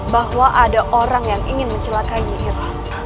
bahwa ada orang yang ingin mencelakai yirah